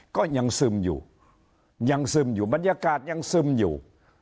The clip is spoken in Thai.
ก็ยังซึมอยู่ยังซึมอยู่บรรยากาศยังซึมอยู่